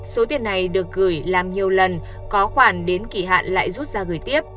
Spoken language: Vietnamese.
số tiền này được gửi làm nhiều lần có khoản đến kỷ hạn lại rút ra gửi tiếp